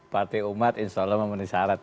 partai umat insya allah memenuhi syarat